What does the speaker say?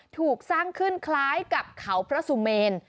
ถูกสร้างขึ้นคล้ายกับเขาพระสุเมน